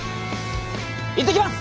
行ってきます！